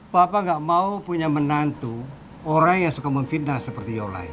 papa gak mau punya menantu orang yang suka memfitnah seperti yoline